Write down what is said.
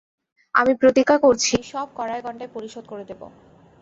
আমি প্রতিজ্ঞা করছি সব কড়ায় গণ্ডায় পরিশোধ করে দেব!